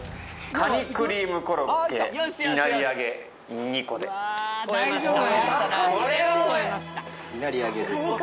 カニクリームコロッケ稲荷揚２個ですね